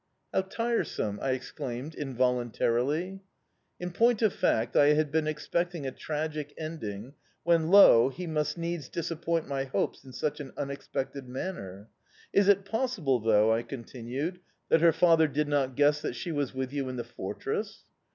"How tiresome!" I exclaimed, involuntarily. In point of fact, I had been expecting a tragic ending when, lo! he must needs disappoint my hopes in such an unexpected manner!... "Is it possible, though," I continued, "that her father did not guess that she was with you in the fortress?"